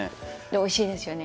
おいしいですよね